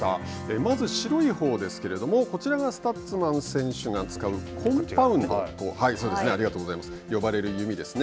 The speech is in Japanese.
まず白いほうですがこちらがスタッツマン選手が扱うコンパウンドと呼ばれる弓ですね。